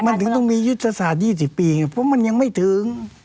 มันถึงมียุคศสาร๒๐ปีเพราะมันยังไม่ถึง